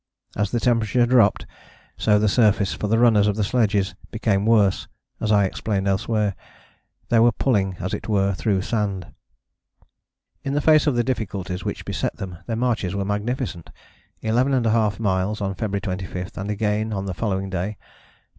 As the temperature dropped so the surface for the runners of the sledges became worse, as I explained elsewhere. They were pulling as it were through sand. In the face of the difficulties which beset them their marches were magnificent: 11½ miles on February 25 and again on the following day: 12.